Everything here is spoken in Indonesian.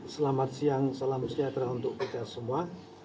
selamat siang salam sejahtera untuk kita semua